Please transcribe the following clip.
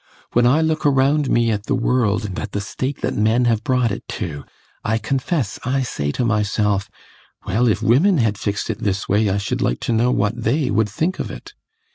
When I look around me at the world, and at the state that men have brought it to, I confess I say to myself, "Well, if women had fixed it this way I should like to know what they would think of it!"